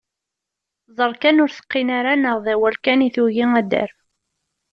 Ẓer kan ur teqqin ara neɣ d awal kan i tugi ad d-terr.